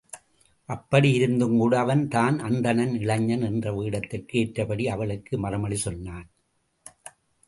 அப்படி இருந்தும்கூட அவன் தான் அந்தண இளைஞன், என்ற வேடத்திற்கு ஏற்றபடியே அவளுக்கு மறுமொழி சொன்னான்.